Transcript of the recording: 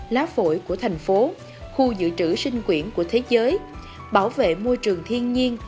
lá phổi của thành phố khu dự trữ sinh quyển của thế giới bảo vệ môi trường thiên nhiên